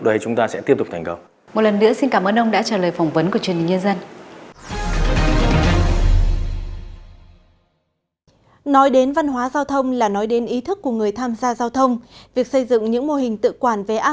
các nhóm khác nhau